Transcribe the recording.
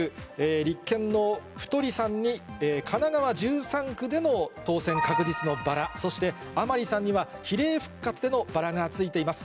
立憲の太さんに神奈川１３区での当選確実のバラ、そして、甘利さんには、比例復活でのバラがついています。